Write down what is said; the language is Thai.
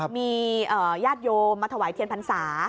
มีญาติโยมมาถวายเทียนพันธุ์ศาสตร์